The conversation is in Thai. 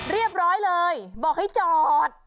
เรียบร้อยเลยบอกให้จอด